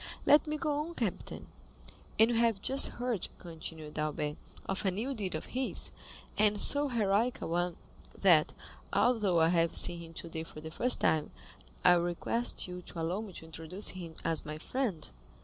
"Let me go on, captain. And we have just heard," continued Albert, "of a new deed of his, and so heroic a one, that, although I have seen him today for the first time, I request you to allow me to introduce him as my friend."